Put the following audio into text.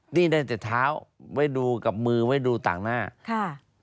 นี่ได้แต่เท้าไว้ดูกับมือไว้ดูต่างหน้าค่ะ